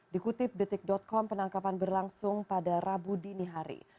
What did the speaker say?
dikutip detik com penangkapan berlangsung pada rabu dini hari